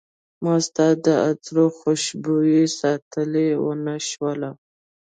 ما ستا د عطرو خوشبوي ساتلی ونه شوله